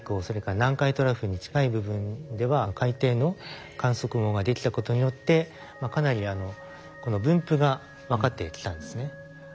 それから南海トラフに近い部分では海底の観測網ができたことによってかなりこの分布が分かってきたんですね。